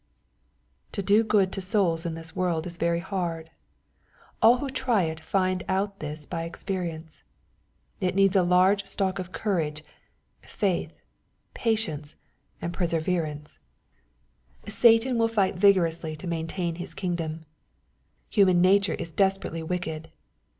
To do good to souls in this world is very hard. AU / who try it find out this by experience. It needs a largo Btock of courage, faith, patience, and perseveranca 102 EXPOSITORY THOUGHTS. Satan will fight vigorously to maintain his Idngdont Human nature is desperately wicked.